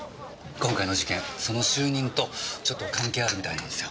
今回の事件その就任とちょっと関係あるみたいですよ。